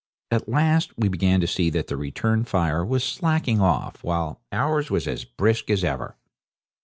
At last we began to see that the return fire was slacking off, while ours was as brisk as ever.